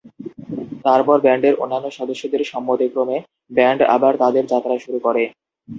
তারপর ব্যান্ডের অন্যান্য সদস্যদের সম্মতিক্রমে ব্যান্ড আবার তাদের যাত্রা শুরু করে।